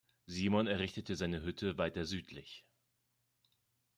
Simon errichtete seine Hütte weiter südlich.